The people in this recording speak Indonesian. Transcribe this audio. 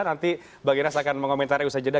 nanti mbak guinness akan mengomentari usai jeda